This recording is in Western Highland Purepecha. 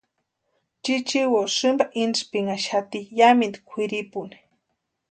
Chichiwo sïmpa intsipinhaxati yamintu kwʼiripuni.